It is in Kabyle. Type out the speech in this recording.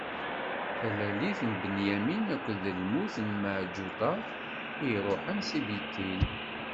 Talalit n Binyamin akked lmut n Meɛǧuṭa i iṛuḥen si Bitil.